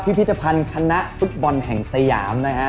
พิพิธภัณฑ์กไปขนาดฟุตบอลแห่งสะยาม